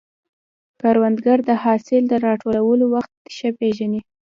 کروندګر د حاصل د راټولولو وخت ښه پېژني